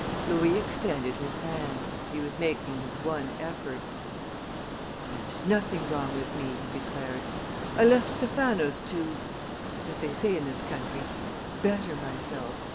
Louis extended his hands. He was making his one effort. "There is nothing wrong with me," he declared. "I left Stephano's to as they say in this country better myself.